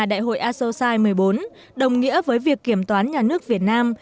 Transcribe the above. đại hội asosai một mươi bốn đồng nghĩa với việc kiểm toán nhà nước việt nam